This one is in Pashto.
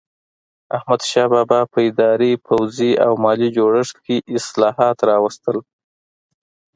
احمدشاه بابا په اداري، پوځي او مالي جوړښت کې اصلاحات راوستل.